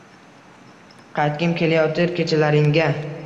Qaytgim kelayotir kechalaringga